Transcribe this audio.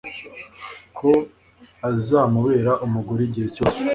ko azamubera umugore igihe cyose